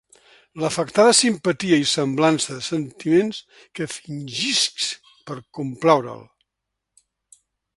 L'afectada simpatia i semblança de sentiments que fingisc per complaure'l!